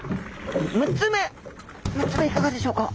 ６つ目６つ目いかがでしょうか？